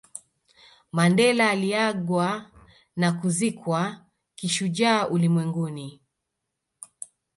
Mandela aliagwa na kuzikwa kishujaa ulimwenguni